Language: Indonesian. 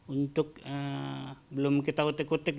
untuk belum kita utik utik